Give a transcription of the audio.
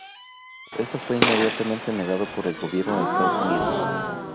Esto fue inmediatamente negado por el Gobierno de Estados Unidos.